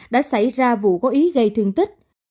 đã xảy ra vụ có ý gây thương tích